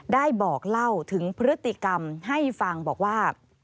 ได้บอกเล่าถึงพฤติกรรมให้ฟังบอกว่า